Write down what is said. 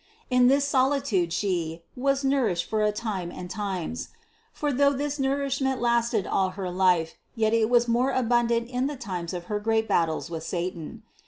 In this solitude She "was nourished for a time and times," for though this nourishment lasted all her life, yet it was more abundant in the times of her great battles with satan.